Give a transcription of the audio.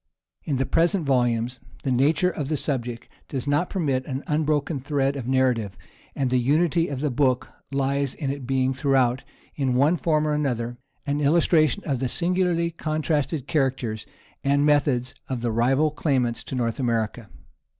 In the present volumes the nature of the subject does not permit an unbroken thread of narrative, and the unity of the book lies in its being throughout, in one form or another, an illustration of the singularly contrasted characters and methods of the rival claimants to North America.